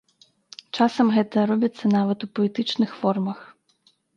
Часам гэта робіцца нават у паэтычных формах.